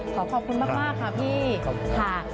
ขอขอบคุณมากค่ะพี่ค่ะค่ะขอบคุณครับ